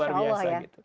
masya allah ya